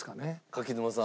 柿沼さん。